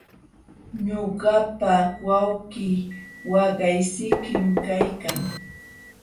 Ñuqapa wawqii waqaysikim kaykan.